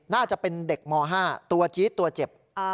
น่าจะเป็นเด็กม๕ตัวจี๊ดตัวเจ็บ